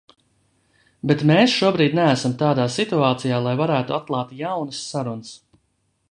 Bet mēs šobrīd neesam tādā situācijā, lai varētu atklāt jaunas sarunas.